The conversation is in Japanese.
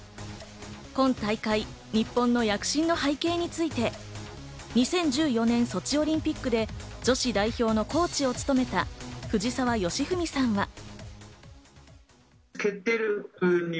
今大会、日本の躍進の背景について２０１４年ソチオリンピックで女子代表のコーチを務めた藤澤悌史さんは。